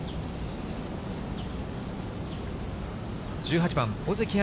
１８番、尾関彩